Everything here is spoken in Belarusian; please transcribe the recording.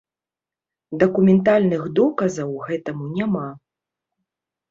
Дакументальных доказаў гэтаму няма.